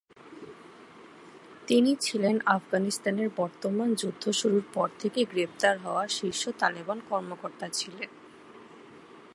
তিনি ছিলেন আফগানিস্তানের বর্তমান যুদ্ধ শুরুর পর থেকে গ্রেপ্তার হওয়া শীর্ষ তালেবান কর্মকর্তা ছিলেন।